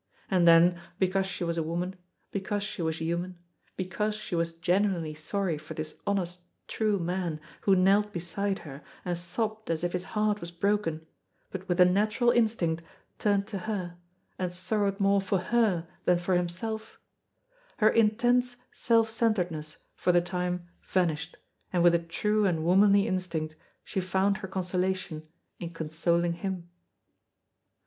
And then, because she was a woman, because she was human, because she was genuinely sorry for this honest true man who knelt beside her and sobbed as if his heart was broken, but with a natural instinct turned to her, and sorrowed more for her than for himself, her intense self centredness for the time vanished, and with a true and womanly instinct she found her consolation in consoling him.